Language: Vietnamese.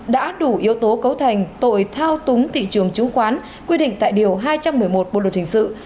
đã đủ yếu tố cấu thành tội thao túng thị trường chứng khoán quy định tại điều hai trăm một mươi một bộ luật hình sự